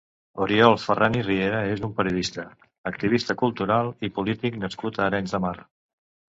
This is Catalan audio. Oriol Ferran i Riera és un periodista, activista cultural i polític nascut a Arenys de Mar.